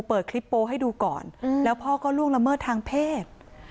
เปิดคลิปโป๊ให้ดูก่อนแล้วพ่อก็ล่วงละเมิดทางเพศ